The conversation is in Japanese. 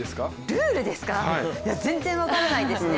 ルールですか全然分からないですね。